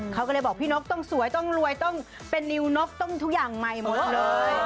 เขาก็เลยบอกพี่นกต้องสวยต้องรวยต้องเป็นนิวนกต้องทุกอย่างใหม่หมดเลย